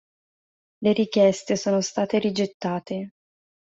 Le richieste sono state rigettate.